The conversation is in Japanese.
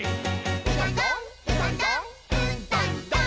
「うどんどんうどんどんうっどんどん」